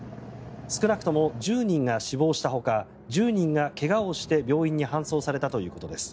少なくとも１０人が死亡したほか１０人が怪我をして病院に搬送されたということです。